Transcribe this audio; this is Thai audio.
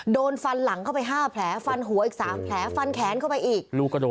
โดนฟันหลังเข้าไป๕แผลฟันหัวอีก๓แผลฟันแขนเข้าไปอีก